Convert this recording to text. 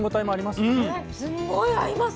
すんごい合います。